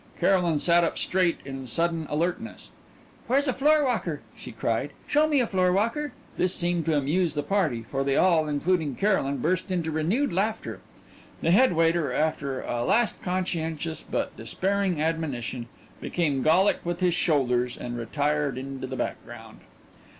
Caroline sat up straight in sudden alertness. "Where's a floorwalker?" she cried. "Show me a floorwalker." This seemed to amuse the party, for they all, including Caroline, burst into renewed laughter. The head waiter, after a last conscientious but despairing admonition, became Gallic with his shoulders and retired into the background.